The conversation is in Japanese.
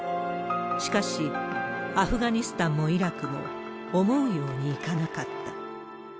しかし、アフガニスタンもイラクも思うようにいかなかった。